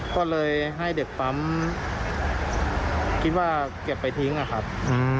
ก็เลยให้เด็กปั๊มคิดว่าเก็บไปทิ้งนะครับ